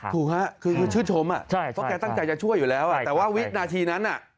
ครูค่ะชื่นชมต้องการช่วยอยู่แล้วแต่วินาทีนั้น